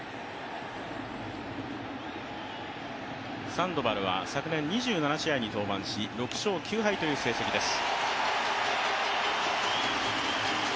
サンドバルは昨年２７試合に登板し、６勝９敗という成績です。